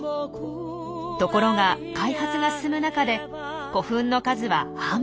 ところが開発が進む中で古墳の数は半分以下に激減。